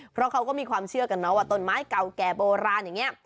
เพราะเขาก็มีความเชื่อกันเนาะว่าต้นไม้เก่าแก่โบราณอย่างนี้